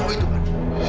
kamu tahu itu kan